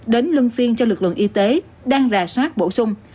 đến lưng phiên cho lực lượng y tế đang rà soát bổ sung